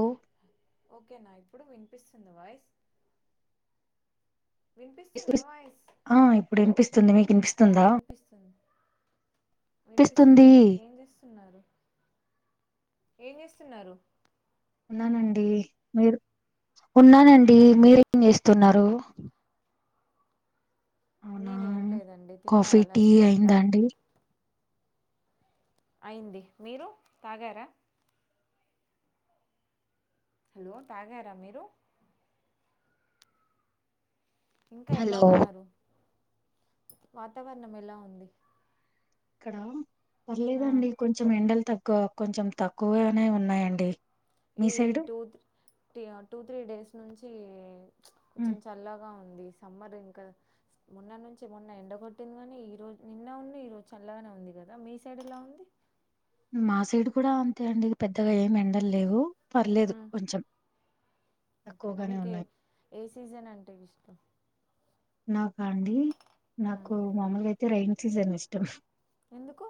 ఓ ఓకేనా ఇప్పుడు వినిపిస్తుంద వాయిస్ వినిపిస్తుందా [unintelligible] వాయిస్ ఆ ఇప్పుడు వినిపిస్తుంది మీకు ఆ వినిపిస్తుందా వినిపిస్తుంది పిస్తుంది వినిపిస్తుంది ఏం చేస్తున్నారు ఏం చేస్తున్నారు ఉన్నానండి మీరు ఉన్నానండి మీరేం చేస్తున్నారు అవునా నేనే ఏం లేదండి తిన్నార కాఫీ టీ లంచ్ అయిందా అండి అయింది మీరు తాగారా హలో తాగారా మీరు ఇంకా ఎలా హలో ఉన్నారు వాతావరణం ఎలా ఉంది ఇక్కడ ఆ పర్లేదండి కొంచెం ఎండలు తక్కువ కొంచెం తక్కువగానే ఉన్నాయండి మీ ఇది ఈ సైడు టూ టీయా టూ త్రీ డేస్ నుంచి ప్చ్ ఉ కొంచెం చల్లగా ఉ ఉంది సమ్మర్ ఇంకా మొన్న నుంచి మొన్న ఎండ కొట్టింది కాని ఈ రోజు నిన్న ఉన్ను ఈ రోజు చల్లగా గా ఉంది కదా మీ సైడ్ ఎలా ఉంది మా సైడ్ కూడా అంతే అండి పెద్దగా ఏం ఎండలు లేవు పర్లేదు మ్మ్ కొంచెం ఓకేనా తక్కువగానే మీకు ఏ ఉన్నాయి ఏ సీజన్ అంటే ఇష్టం నాకా అండి మ్మ్ నాకు మామలుగా అయితే రయిన్ సీజన్ ఇష్టం ఎందుకు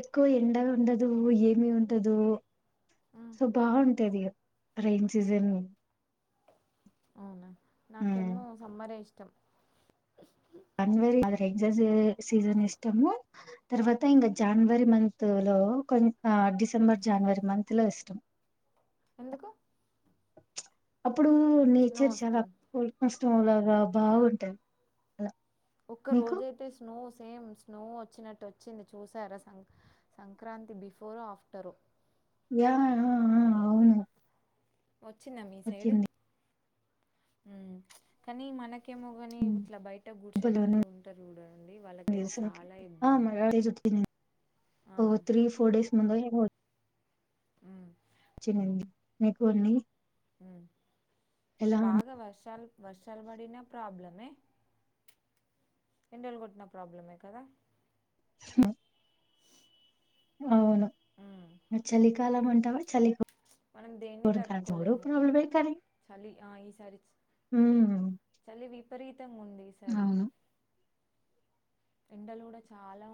ఎక్కువ ఎండలు ఉండదు ఏమి ఉంటదు మ్మ్ సో బాగుంటది ఇగ రైన్ సీజన్ అవునా హ్మ్. నాకేమో సమ్మర్రే ఇష్టం జనవరి అది రెగ్జాస్ సీజన్ ఇష్టము తర్వాత ఇంకా జనవరి మంతు లో కొం డిసెంబర్ జనవరి మంత్ లో ఇష్టం ఎందుకు ప్చ్ అప్పుడు స్నో నేచర్ చాలా వస్తుంది కూల్ హు కూల్ గా బాగుంటది అలా ఒక్క మీకు? రోజైతే స్నోస్ సేమ్ స్నో వచ్చినట్టు వచ్చింది చూసారా సం సంక్రాంతి బిఫోర్ ఆఫ్టరు యా ఆ ఆ అవును ఒచ్చిందా మీ సైడ్ వచ్చింది. ఉమ్ కానీ మనకి ఎమో గని హ్మ్. ఇట్లా బయట గుడ్శేలు భలేవుంది వాళ్ళు ఉంటరు జుడండి వాళ్ళకైతే చాలా ఇబ్బంది ఉమ్ ఆ ఓ త్రీ ఫోర్ డేస్ ముందే పొ ఉ చ్చినండి మీకున్ని మ్మ్ బాగా వర్షాల్ వర్షాలు పడిన ప్రాబ్లమే ఎండల్లు గొట్న ప్రాబ్లమే కదా హు ఔను ఉమ్ చలికాలం అంటవ చలె మనం దేన్ని తట్టుకోలేము కానీ చలి అ ఈసారి హ్మ్ చలి విపరీతంగుంది ఈసారి అవును ఎండలుగుడా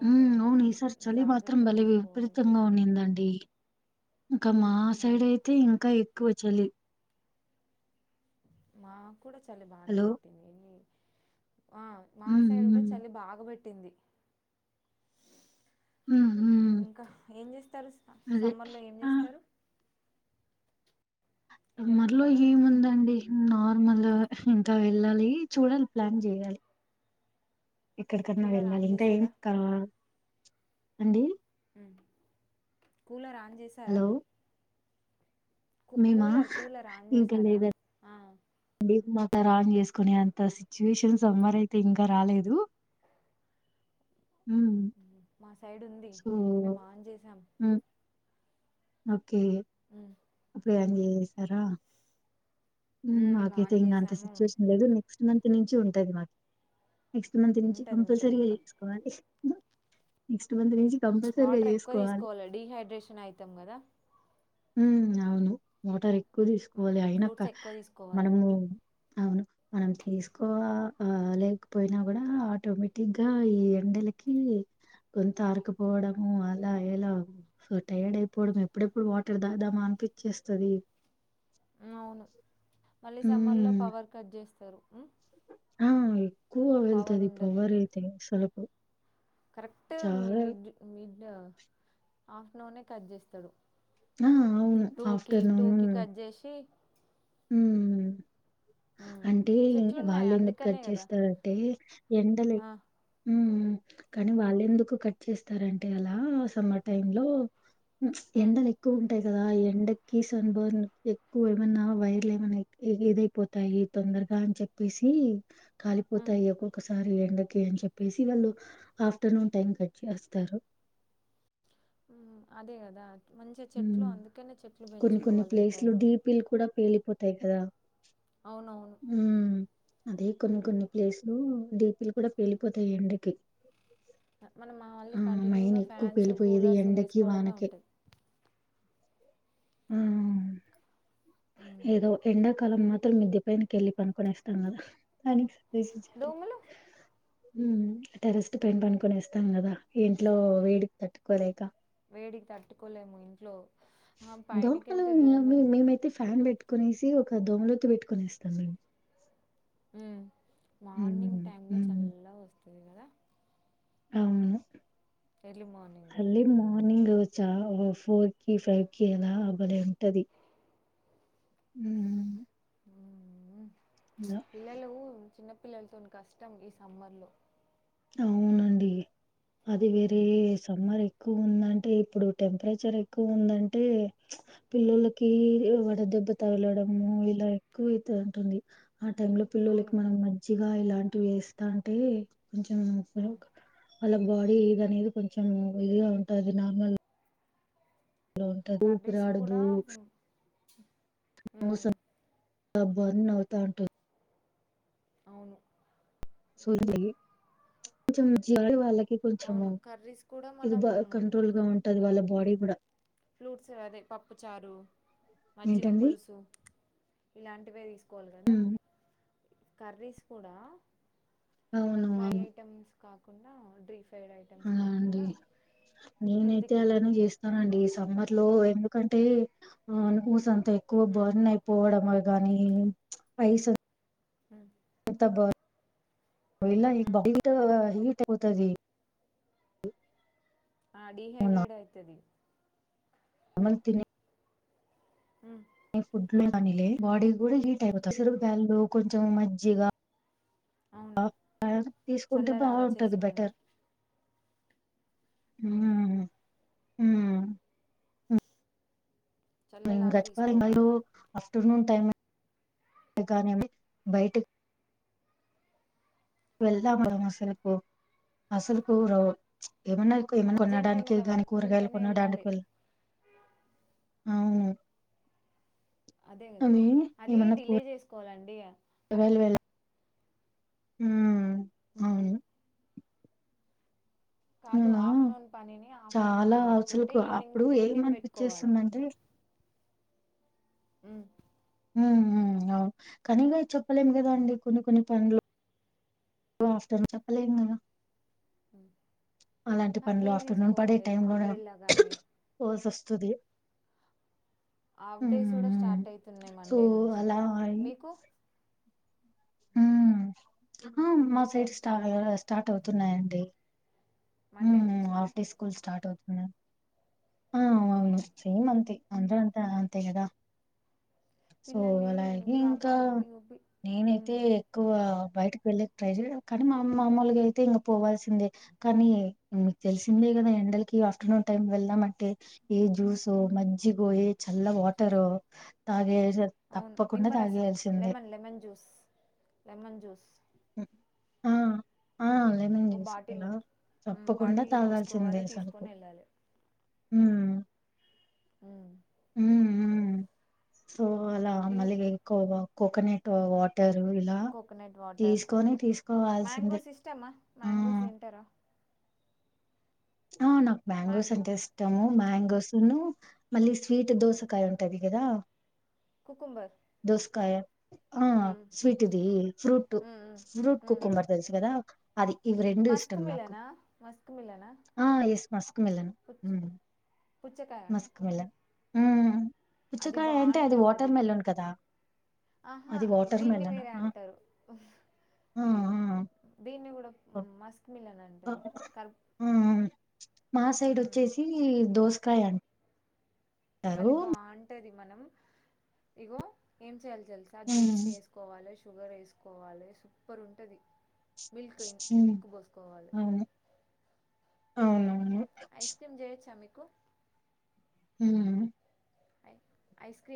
ఉ ఔను ఈసార్ చలి మాత్రం బలె తీసుకోవాలి విపరీతంగా ఉన్నిందండి ఇంక మా సైడ్ అవును ఐతే ఇంక ఎక్కువ చలి మా కూడా చాలి బానే హలో పెట్టింది వె ఆ మా హ్మ్ సైడ్ గుడా హ్మ్ చలి బాగాబెట్టింది హ్మ్ హ్మ్ ఇంక ఏం జేస్తరు అదే సమ్మర్లో ఏం ఆ జేస్తరు మర్లో వెళ్తారా ఏముందండి మ్ నార్మల్ ఇంక వెళ్ళాలి చూడాలి ప్లాన్ జేయాలి ఎక్కడికన్న కూలర్ వెళ్ళాలి ఆన్ ఇంకాక ఏం చేసారా కా అండి కూలర్ ఆన్ జేసారా హలో మేమా కూలర్ కూలర్ ఆన్ జేసారా ఆ టర్ ఆన్ చేస్కునే అంత సిచ్యువేషన్స్ సమ్మర ఐతే ఇంక రాలేదు హ్మ్ మాస్ సో ఉమ్ ఒకే ఉమ్ జాయ్ జేసారా ఉమ్ మేము మాకైతే ఆన్ ఇంగా అంత చేసాము సిచ్యుయేషన్ లేదు నెక్స్ట్ మంత్ నుంచి ఉంటది మా నెక్స్ట్ మంత్ నుంచి ఉంటది ఉంటది కంపల్సరీగా ఇంకా ఏస్కోవాలి నెక్స్ చ్ వాటర్ ఎక్కువ తీస్కోవాలె డిహైడ్రేషన్ ఐతాం గదా ఉమ్ ఔను వాటర్ ఎక్కువ ఉమ్ తీస్కోవలె ఐనక ఫ్రూట్స్ ఎక్కువ తీసుకోవాలి మనము ఔను మనం తీస్కో ఆహ్ ఆ లేక్పోయిన గుడా ఆటోమేటిక్గా ఈ ఎండ లకీ గొంతు ఆరుకపోవడము అలా ఎలా టైర్డ్ ఐపోవడం ఎప్పుడెప్పుడు వాట్ టర్ తాగుదామా అనిపిచ్చేస్తది మ్ ఔను మళ్ళీ సమ్మర్లో పవర్ కట్ జేస్ అహ్ ఎక్కువ పవర్ వెళ్తది పవర్ ఐతే అస్సల్కు కరక్ట్ మిడ్ మిడ్డ ఆఫ్టర్నూనే కట్ జేస్తడు ఆ ఔను ఆఫ్టర్నూను టూకి కట్ చేసి ఉమ్ ఉమ్ అంటే చెట్లు ఉన్నాయి వాళ్ళేందుకు అందుకనే కట్ కదా జేస్తరంటే ఎండలే ఆ ఉహూ కనీ వాళ్ళేందుకు కట్ చేస్తరంటే అలా సమ్మర్ టైమ్లో చ్ ఉమ్ ఎండలేక్ క్కువ్ ఉంటాయ్ గదా ఎండకి సన్ బర్న్ ఎక్కువ ఏమన్న వైర్లు ఏమన్న ఇ ఇ ఇదయిపోతాయి తొందర్గా అని చెప్పేసి ఉమ్ కాలిపోతాయి ఒక్కొక్కసారి ఎండక్ కి అని చెప్పేసి వాళ్ళు ఆఫ్టర్నూన్ టైం కట్ చేస్తరు మ్ అదే గదా మ్ కొన్ని కొన్ని ఈ ప్లేస్లు టైంలో డీపిలు కుడా పేలిపోతాయి గదా అవునవును ఉమ్ అదే కొన్ని ఉమ్ కొన్ని ప్లేస్లు డిపిలు కుడా పేలిపోతాయ్ ఎండకి అ మొనమాల్లీ ఆ మైన్ కంటిన్యూగా ఎక్కువ ఫ్యాన్స్, పేలిపోయేది కూలర్స్ ఎండకి వేస్కోడమే వానకి ఉంటది హ్మ్మ్ ఉమ్ ఏదో ఎండ కాలం మాత్రం మిద్దె పైనకెళ్ళి పనుకొని వస్తాం కదా దోమలు మహ్ టెర్రెస్ట్ పైన పనుకొని ఇస్తాం కదా ఇంట్లో వేడికి తట్టుకోలేక వేడికి తట్టుకోలేము ఇంట్లో ఆ పైనకెళ్తే దోమలు దోమమేమయితే ఫ్యాన్ పెట్టు కొనేసి ఒక దోమలోతు పెట్టుకొనేస్తాము మేము మహ్ మార్నింగ్ హ్మ్ టైమ్ లో హ్మ్ చల్లాగా వస్తది కదా అవును ఎర్లీ మార్నింగ్ ఎర్లీ మార్నింగ్ చ ఫోర్ కి ఫైవ్ కి అలా భలే ఉంటది ఉమ్మ్ ఉమ్ పిల్లలు చిన్నపిల్లలతోని కష్టం ఈ సమ్మర్లో అవునండి అది వేరే ఉమ్ సమ్మర్ ఎక్కువ ఉందంటే ఇప్పుడు టెంపరేచర్ ఎక్కువ ఉందంటే చ్ పిల్లలకి వడదెబ్బ్ దబ్బ తగలడము ఇలా ఎక్కువ అయితది అంటుంది ఆ టైమ్లో పిల్లోలకి అవును మనం మజ్జిగా ఇలాంటివి ఇస్తాంటే కొంచెం ఆ వాళ్ళ బాడీ ఇది అనేది కొంచెం ఇదిగా ఉంటుంది నార్మల్ ఇలా ఉంట కర్రీస్ కూడా ఊపిరాడదు [inaudible] ముస్సన్ లా బర్న్ అవుతా ఉంటది అవును సో లైట్ కొంచెం ది అవును కొంచెము కర్రీస్ కూడా ఇది మనం బా కంట్రోల్ గా ఉంటది వాళ్ళ బాడీ కూడా ఫ్లూట్స్ అదే పప్పు చారు మజ్జిగ ఏంటండి పులుసు ఇలాంటివే తీసుకోవాలి కదా హ్మ్. కర్రీస్ కూడా అవును ఫ్రై అవును ఐటమ్స్ కాకుండా డ్రీ ఫ్రైడ్ ఐటమ్స్ అలా అండి కాకుండా నేనైతే హెల్త్కి అలానే చేస్తానండి సమ్మర్ లో ఎందుకంటే ఆ పూస అంత ఎక్కువ మ్మ్ బర్న్ అయిపోవడం కానీ పఐస్ంత మ్మ్ బర్న్ వెళ్లే మ్మ్ బాడీ ఇతర హీట్ ఐపోతాది అ డి హైడ్రేట్ అయితది అమల్ తినే మ్మ్ ఫుడ్ లో మ్మ్ కానీలే బాడీ కూడా హీట్ మ్మ్ అయిపోతుంది పెసరబ్యాళ్లు కొంచెం మజ్జిగా అవును ఆ ఆ తీసుకుంటే చల్లలాగా బాగుంటుంది చేసుకొని బెటర్ ఉ మ్మ్ ఉ ఉ ఏం చల్లలాగా పెట్టాలి తీసుకోవాలి మయూరి ఆఫ్టేర్నూన్ టైమ్ కానీ బయటి వెళ్దాం మర అసలుకు అసలులకు ఏమన్నా ఏమన్నా అర్జెంట్ కొన్నాడానికి ఏమన్నా దగాని వర్క్ కూరగాయలు ఉంటేనే వెళ్ళాలి కొనడానికి అవును అదే కదా అవి అది ఏమన్నా డిలే చేసుకోవాలండి ఉమ్మ్ ఉమ్. అవును కాదు అలా ఆఫ్టర్నూన్ పనిని హాఫ్టర్నూన్ చాలా ఏమైనా వర్క్ ఉంటే అసలుకు ఈవినింగ్ అప్పుడు ఈవినింగ్ పెట్టుకోవాలి [inaudible] ఏమనిపించేస్తుందంటే ఉ ఉ ఉ అవును కానీగా చెప్పలేము కదా అండి కొన్ని కొన్ని పనులు ఆఫ్టర్నూన్ చెప్పలేం కదా [inaudible] అలాంటి ఆ, పనులు కేర్ ఆఫ్టర్నూన్ పడే తీసుకోవాలి టైం లోనే అంబ్రెల్లా కానీ పోవాల్సి వస్త స్తుది హాఫ్ డేస్ కూడా స్టార్ట్ అవుతున్నాయి సో మండే నుంచి మీకు ఉమ్ మా మీ సైడ్ స్టా స్టార్ట్ అయి స్టార్ట్ అవుతున్నాయండి ఉ మండే ఉ నుంచేనా హాఫ్డే స్కూల్ స్టార్ట్ అవుతు ఆ అవును ఉమ్. సేమ్ అంతే ఆంధ్రా అంతా అంతే కదా సో పిల్లల్ని అలాగే ఇంకా కాపాడు ఇంగ పి- నేనైతే ఉమ్, ఎక్కువ బయటకి వెళ్లేకి ట్రై చేయడం కానీ మా అమ్మ మామలుగా అయితే ఇంక పోవాల్సిందే కానీ మీకు తెలిసిందే ఈ ఎండలకి ఆఫ్టర్నూన్ టైమ్ వెళ్దాం అంటే ఏ జ్యూసో మజ్జిగో ఏ చల్ల చూసు వాటరో తాగే అవును తప్పకుండా నిమ్మ రసం తాగేయాల్సిందే lemon lemon juice lemon juice ఆ లెమన్ ఓ జ్యూస్ ఇలా బాటిల్లో ఉమ్ తప్పకుండా బాటిల్లో పోసుకోవాలి తీసుకొని వెళ్ళాలి ఉమ్ మ్మ్ ఉమ్ ఉమ్ సో అలా ఈ మళ్ళగ కో కోకోనెట్ వాటరు ఇలా కోకోనట్ వాటర్ తీసుకొని తీసుకోవాల్సిందే మ్యాంగోస్ ఇష్టమా మ్యాంగోస్ మ్ తింటారా ఆ నాకు మాంగోస్ మ్యాంగ్ అంటే ఇష్టము మ్యాంగ్స్ను మళ్ళీ స్వీట్ దోసకాయ ఉంటది కదా కుకుంబర్ దోసకాయ ఆ మ్మ్ హ్మ్ స్వీట్ ఇది ఫ్రూట్ మ్మ్ మ్మ్ ఫ్రూట్ మ్మ్ కుకుంబర్ తెలుసు కదా అది ఇవి రెండు మస్క్ ఇష్టం నాకు మిలనా మస్క్ మిలనా ఆ ఎస్ మస్క్ మిలన్ పుచ్చ పుచ్చకాయ మస్క్ మిలన్ ఉమ్ అది పుచ్చకాయ అంటే అది బాగుంటది వాటర్ మెలన్ కదా ఆహా అది వాటర్ దీన్ని మెలన్ వేరే హ్ ఆ అంటారు ఆ దీన్ని కూడా ఆ మస్క్ మిల్ ఆ మా సైడ్ మ్మ్ వచ్చేసి దోసకాయ అం అది బాగుంటది మనం ఇగో ఏం చేయల్ తెలుసా జ్యూస్ హ్మ్ చేసుకోవాలి షుగర్ వేసుకోవాలి సూపర్ ఉంటది మిల్క్ ఇం హ్మ్ మిల్క్ పోసుకోవాలి అవును హు అవునవును ఐస్ క్రీమ్ చెయ్యొచ్చా మీకు ఊ మ్ ఐ ఐస్ క్రీమ్